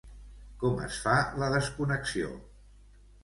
Com es fa la desconnexió?